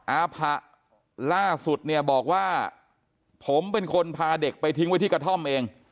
อาผะล่าสุดเนี่ยบอกว่าผมเป็นคนพาเด็กไปทิ้งไว้ที่กระท่อมเอง